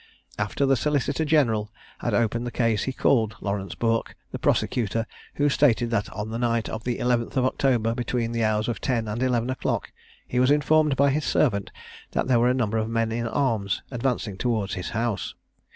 After the solicitor general had opened the case, he called Laurence Bourke, the prosecutor, who stated that on the night of the 11th of October, between the hours of ten and eleven o'clock, he was informed by his servant that there were a number of men in arms advancing towards his house.